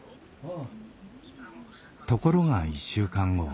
ところが１週間後。